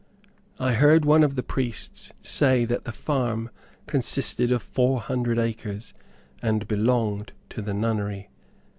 I heard one of the priests say that the farm consisted of four hundred acres, and belonged to the nunnery.